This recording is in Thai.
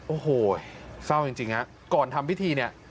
โอ้โหเศร้าจริงฮะก่อนทำพิธีเนี่ย